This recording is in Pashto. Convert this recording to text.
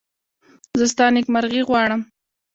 زه ستا نېکمرغي غواړم.